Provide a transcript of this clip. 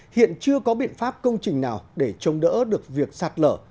hiện chưa có biện pháp công trình nào để chống đỡ được việc sạt lở